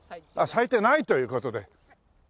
咲いてないという事で。